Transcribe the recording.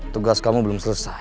tugas kamu belum selesai